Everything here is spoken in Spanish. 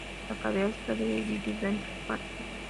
La cávea está dividida en tres partes.